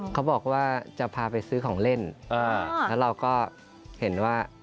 หลอกค่ะใช้คำว่าหลอกค่ะ